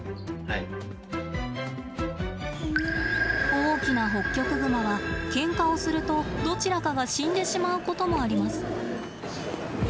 大きなホッキョクグマはケンカをするとどちらかが死んでしまうこともあります。